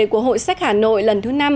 của hội sách hà nội lần thứ năm